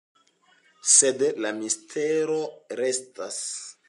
Sed la mistero restas.